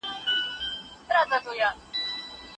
لویه خدایه ته خو ګډ کړې دا د کاڼو زیارتونه